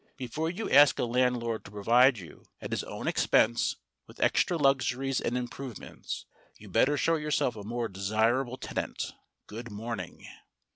Before you ask a landlord to provide you, at his own expense, with extra luxuries and improvements, you'd better show yourself a more desirable tenant. Good morning!"